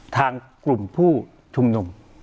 ทางกลุ่มผู้ชุมนุม